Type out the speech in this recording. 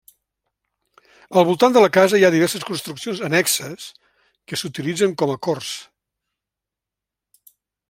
Al voltant de la casa hi ha diverses construccions annexes que s'utilitzen com a corts.